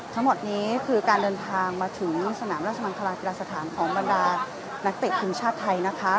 ทั้งหมดนี้คือการเดินทางมาถึงสนามราชมังคลากีฬาสถานของบรรดานักเตะทีมชาติไทยนะคะ